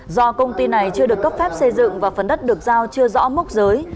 do công ty này chưa được cấp phép xây dựng và phần đất được giao chưa rõ mốc giới